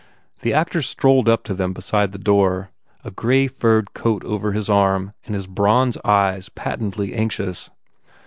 The actor strolled up to them beside the door, a grey furred coat over his arm and his bronze eyes patently anxious.